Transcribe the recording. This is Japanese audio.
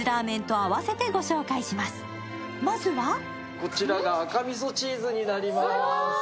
こちらが赤味噌チーズになります。